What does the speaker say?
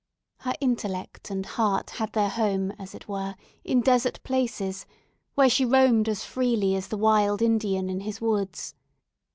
Her intellect and heart had their home, as it were, in desert places, where she roamed as freely as the wild Indian in his woods.